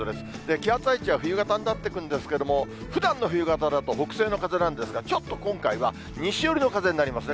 気圧配置は冬型になってくるんですけれども、ふだんの冬型だと北西の風なんですが、ちょっと今回は西寄りの風になりますね。